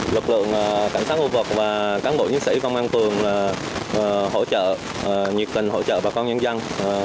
lực lượng cảnh sát khu vực và cán bộ chiến sĩ công an phường hỗ trợ nhiệt tình hỗ trợ bà con nhân dân